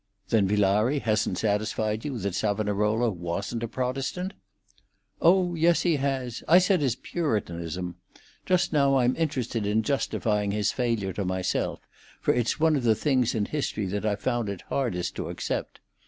"Then Villari hasn't satisfied you that Savonarola wasn't a Protestant?" "Oh yes, he has. I said his puritanism. Just now I'm interested in justifying his failure to myself, for it's one of the things in history that I've found it hardest to accept.